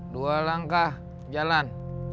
dua langkah jalan